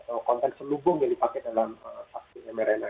atau konten selubung yang dipakai dalam vaksin mrna